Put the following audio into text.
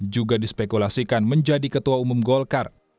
juga dispekulasikan menjadi ketua umum golkar